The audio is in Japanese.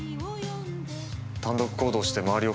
単独行動して周りを振り回し。